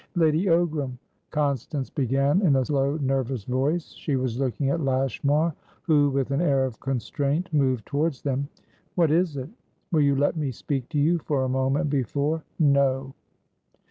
"Lady Ogram" Constance began in a low, nervous voice. She was looking at Lashmar, who, with an air of constraint, moved towards them. "What is it?" "Will you let me speak to you for a moment before" "No!"